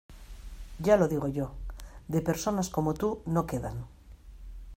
Ya lo digo yo; de personas como tú, no quedan.